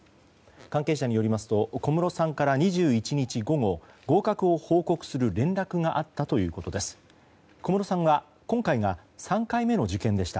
関係者によりますと小室さんから２１日午後合格を報告する連絡があったということです。